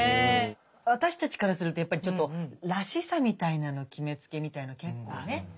私たちからするとやっぱりちょっとらしさみたいなの決めつけみたいの結構ね。